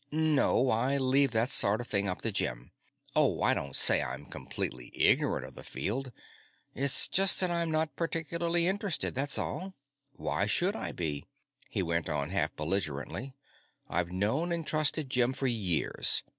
"No. I leave that sort of thing up to Jim. Oh, I don't say I'm completely ignorant of the field; it's just that I'm not particularly interested, that's all. Why should I be?" He went on, half belligerently. "I've known and trusted Jim for years.